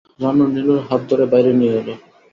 রানু নীলুর হাত ধরে বাইরে নিয়ে এল।